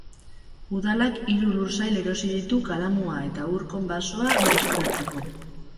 Udalak hiru lursail erosi ditu Kalamua eta Urkon basoa berreskuratzeko.